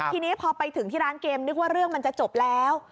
ทีนี้พอไปถึงที่ร้านเกมนึกว่าเรื่องมันจะจบแล้ว